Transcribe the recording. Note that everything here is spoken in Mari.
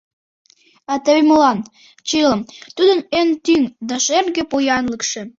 А теве молан: чылым — тудын эн тӱҥ да шерге поянлыкше.